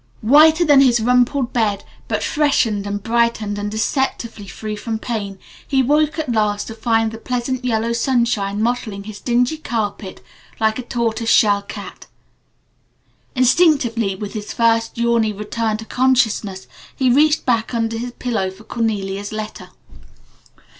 Whiter than his rumpled bed, but freshened and brightened and deceptively free from pain, he woke at last to find the pleasant yellow sunshine mottling his dingy carpet like a tortoise shell cat. Instinctively with his first yawny return to consciousness he reached back under his pillow for Cornelia's letter.